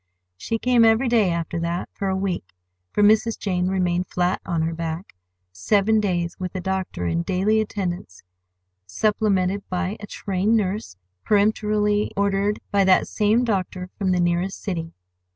She came every day after that, for a week, for Mrs. Jane remained "flat on her back" seven days, with a doctor in daily attendance, supplemented by a trained nurse peremptorily ordered by that same doctor from the nearest city.